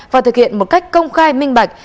và thực hiện một cách công khai minh bạch